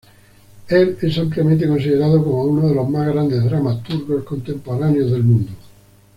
Él es ampliamente considerado como uno de los más grandes dramaturgos contemporáneos del mundo.